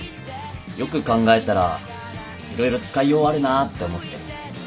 よく考えたら色々使いようあるなって思って。